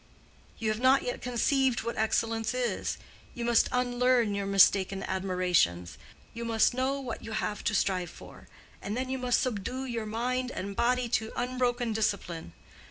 You have not yet conceived what excellence is: you must unlearn your mistaken admirations. You must know what you have to strive for, and then you must subdue your mind and body to unbroken discipline.